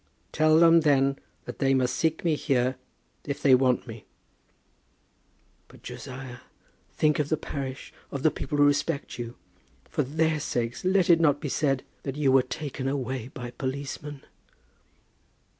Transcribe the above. "Tell them, then, that they must seek me here if they want me." "But, Josiah, think of the parish, of the people who respect you, for their sakes let it not be said that you were taken away by policemen."